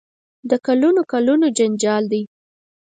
د کلونو کلونو جنجال دی.